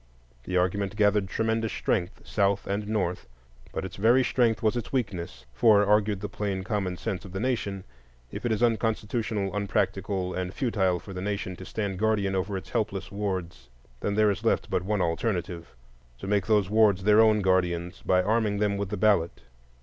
The argument gathered tremendous strength South and North; but its very strength was its weakness. For, argued the plain common sense of the nation, if it is unconstitutional, unpractical, and futile for the nation to stand guardian over its helpless wards, then there is left but one alternative,—to make those wards their own guardians by arming them with the ballot.